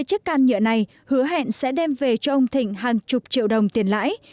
hai chiếc can nhựa này hứa hẹn sẽ đem về cho ông thịnh hàng chục triệu đồng tiền lãi